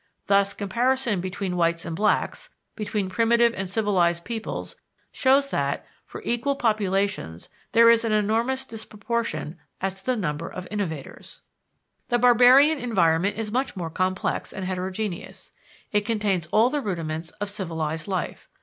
Thus comparison between whites and blacks, between primitive and civilized peoples, shows that, for equal populations, there is an enormous disproportion as to the number of innovators. The barbarian environment is much more complex and heterogeneous: it contains all the rudiments of civilized life.